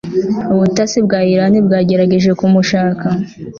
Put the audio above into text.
ubutasi bwa Irani bwagerageje kumushaka